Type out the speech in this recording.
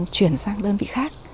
chuyển sang đơn vị khác